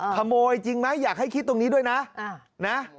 ขโมยจริงไหมอยากให้คิดตรงนี้ด้วยนะ